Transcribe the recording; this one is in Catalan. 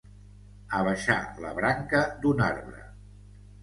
Abaixar la branca d'un arbre.